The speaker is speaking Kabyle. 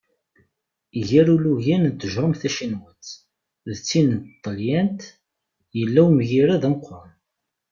Gar ilugan n tjerrumt tacinwat d tin n tṭalyant yella umgirred ameqqran.